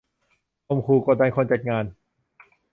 ข่มขู่กดดันคนจัดงาน